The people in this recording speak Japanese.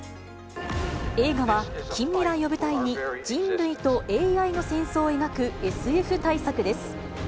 映画は近未来を舞台に人類とＡＩの戦争を描くＳＦ大作です。